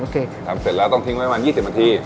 ทำเสร็จแล้วต้องทิ้งไว้ประมาณ๒๐นาที